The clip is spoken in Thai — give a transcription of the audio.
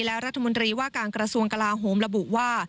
และรัฐมนตรีว่าการกระทรวงกลาโหมระบุว่า